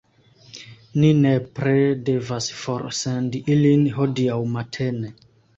Ni nepre devas forsendi ilin hodiaŭ matene.